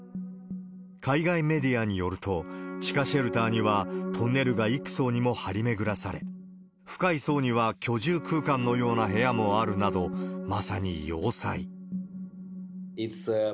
海外メディアによると、地下シェルターにはトンネルが幾層にも張り巡らされ、深い層には居住空間のような部屋もあるなど、まさに要塞。